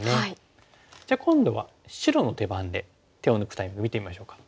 じゃあ今度は白の手番で手を抜くタイミング見てみましょうか。